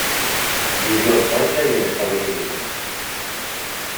Vivió en Francia y en Estados Unidos.